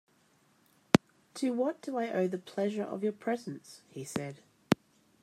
"To what do I owe the pleasure of your presence," he said.